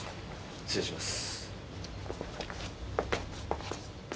失礼します。